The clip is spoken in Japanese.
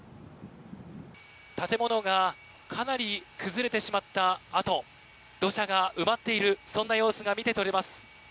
建物がかなり崩れてしまったあと土砂が埋まってしまっている様子が見て取れます。